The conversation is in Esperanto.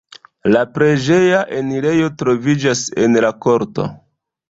La preĝeja enirejo troviĝas en la korto.